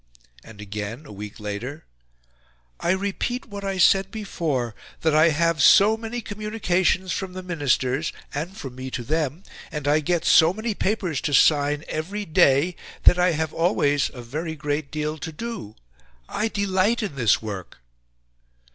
And again, a week later, "I repeat what I said before that I have so many communications from the Ministers, and from me to them, and I get so many papers to sign every day, that I have always a very great deal to do. I delight in this work."